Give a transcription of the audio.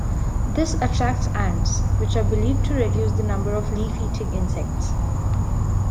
This attracts ants, which are believed to reduce the numbers of leaf-eating insects.